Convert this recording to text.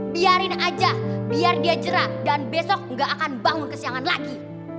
biarin aja biar dia jerah dan besok gak akan bangun kesiangan lagi